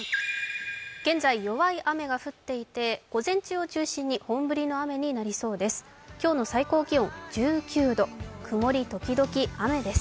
現在、弱い雨が降っていて、午前中を中心に本降りの雨になりそうです。